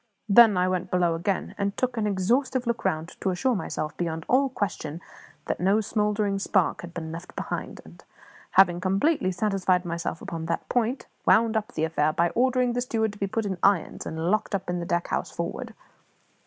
I then went below again, and took an exhaustive look round to assure myself beyond all question that no smouldering spark had been left behind; and, having completely satisfied myself upon that point, wound up the affair by ordering the steward to be put in irons and locked up in the deck house forward.